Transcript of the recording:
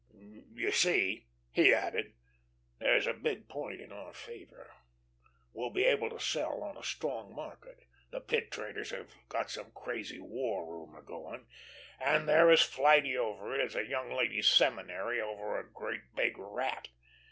You see," he added, "here's a big point in our favor. We'll be able to sell on a strong market. The Pit traders have got some crazy war rumour going, and they're as flighty over it as a young ladies' seminary over a great big rat.